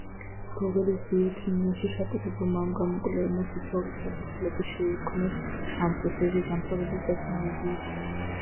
დუღილის ბიოქიმიაში ჩატარებულმა ამ გამოკვლევებმა თეორიული საფუძვლები შეუქმნეს ამ პროცესზე დამყარებულ ტექნოლოგიებს.